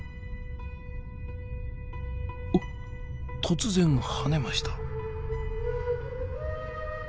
あっ突然跳ねました。